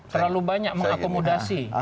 terlalu banyak mengakomodasi